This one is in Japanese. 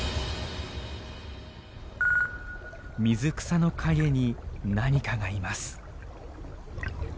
水草の陰に何かがいます。